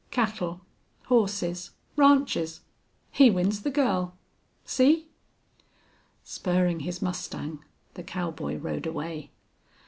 Cattle, horses ranches! He wins the girl. See!" Spurring his mustang, the cowboy rode away.